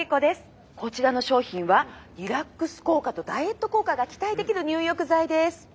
こちらの商品はリラックス効果とダイエット効果が期待できる入浴剤です」。